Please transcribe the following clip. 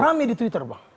rame di twitter bang